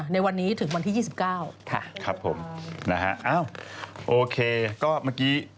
ในวันนี้ถึงวันที่๒๙